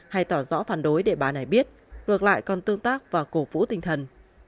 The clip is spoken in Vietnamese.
hay tỏ rõ phản đối để bà này biết ngược lại còn tương tác và cổ vũ tinh thần